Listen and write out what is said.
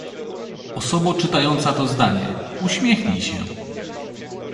Osobo czytająca to zdanie, uśmiechnij się.